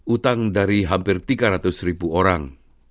utang dari hampir tiga ratus ribu orang